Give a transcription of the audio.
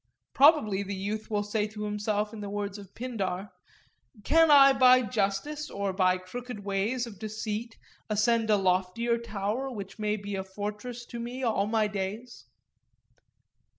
Probably the youth will say to himself in the words of Pindar— 'Can I by justice or by crooked ways of deceit ascend a loftier tower which may be a fortress to me all my days?